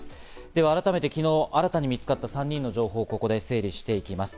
では改めて昨日、新たに見つかった３人の情報をここで整理していきます。